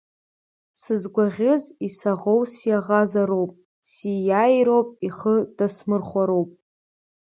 Сызгәаӷьыз, исаӷоу, сиаӷазароуп, сииааироуп, ихы дасмырхәароуп.